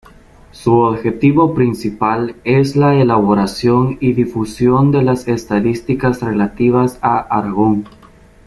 Su objeto principal es la elaboración y difusión de las estadísticas relativas a Aragón.